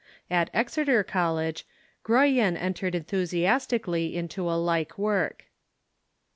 At Exeter College, Grocyn entered enthusiastically into a like work.